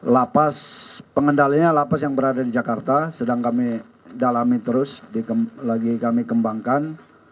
lapas pengendaliannya lapas yang berada di jakarta sedang kami dalami terus lagi kami kembangkan